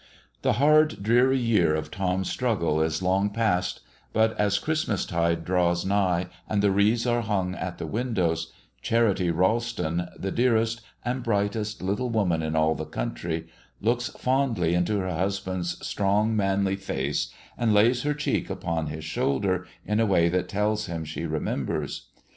The hard, dreary year of Tom's struggle is long since past, but as Christmastide draws nigh and the wreaths are hung at the windows, Charity Ralston, the dearest and brightest little woman in all the country, looks fondly into her husband's strong, manly face, and lays her cheek upon his shoulder in a way that tells him she remembers.